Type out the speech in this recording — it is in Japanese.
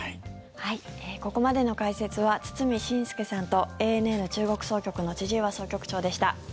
ここまでの解説は堤伸輔さんとＡＮＮ中国総局の千々岩総局長でした。